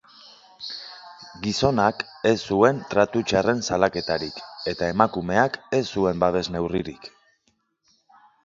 Gizonak ez zuen tratu txarren salaketarik eta emakumeak ez zuen babes neurririk.